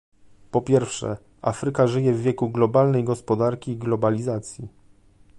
Po pierwsze, Afryka żyje w wieku globalnej gospodarki i globalizacji